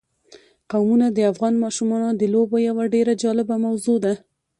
قومونه د افغان ماشومانو د لوبو یوه ډېره جالبه موضوع ده.